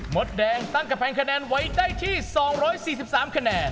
มดแดงตั้งกระแพงคะแนนไว้ได้ที่๒๔๓คะแนน